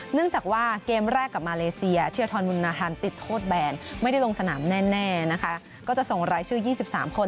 เนื่องจากว่าเกมแรกกับมาเลเซียธิรทรบุญนาธันติดโทษแบนไม่ได้ลงสนามแน่นะคะก็จะส่งรายชื่อ๒๓คน